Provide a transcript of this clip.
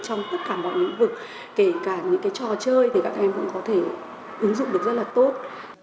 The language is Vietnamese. trong tất cả mọi lĩnh vực kể cả những trò chơi thì các em cũng có thể ứng dụng được rất là tốt